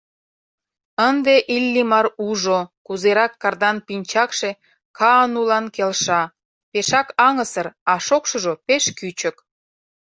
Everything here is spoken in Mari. Ынде Иллимар ужо, кузерак Кардан пинчакше Каанулан келша: пешак аҥысыр, а шокшыжо пеш кӱчык.